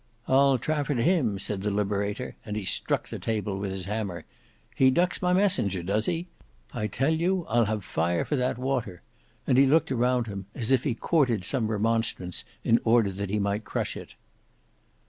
"I'll Trafford him," said the Liberator and he struck the table with his hammer. "He ducks my messenger does he? I tell you I'll have fire for that water," and he looked around him as if he courted some remonstrance in order that he might crush it.